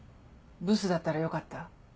ブスだったらよかった？